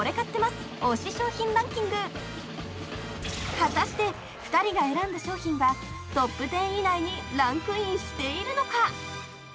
［果たして２人が選んだ商品はトップ１０以内にランクインしているのか？］